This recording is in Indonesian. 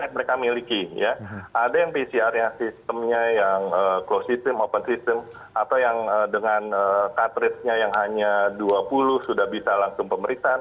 ada yang pcrnya sistemnya yang closed system open system atau yang dengan cartridge nya yang hanya dua puluh sudah bisa langsung pemeriksaan